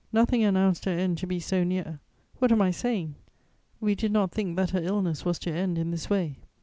Nothing announced her end to be so near; what am I saying? we did not think that her illness was to end in this way.